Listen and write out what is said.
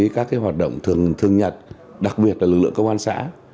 các hoạt động thường thường nhật đặc biệt là lực lượng công an xã